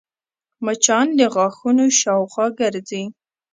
مچان د غاښونو شاوخوا ګرځي